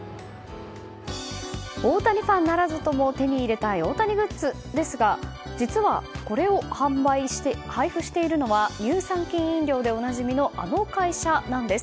大谷ファンならずとも手に入れたい大谷グッズですが実は、これを配布しているのは乳酸菌飲料でおなじみのあの会社なんです。